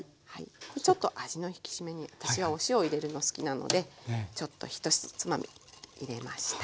ちょっと味の引き締めに私はお塩を入れるの好きなのでちょっと１つまみ入れました。